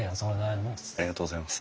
ありがとうございます。